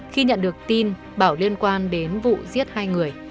khi nhận được tin bảo liên quan đến vụ giết hai người